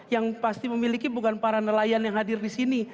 yang pasti memiliki bukan para nelayan yang hadir di sini